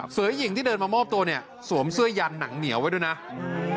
เสือหญิงที่เดินมามอบตัวนี่สวมเสื้อยันหนังเหนียวไว้ดูนี่นะ